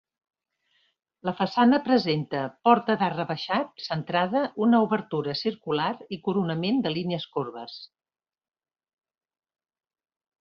La façana presenta porta d'arc rebaixat, centrada, una obertura circular i coronament de línies corbes.